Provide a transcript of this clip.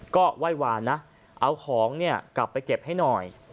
ก็ไหว้วานนะเอาของเนี่ยกลับไปเก็บให้หน่อย